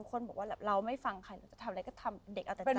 คนบอกว่าเราไม่ฟังใครเราจะทำอะไรก็ทำเด็กเอาแต่ใจ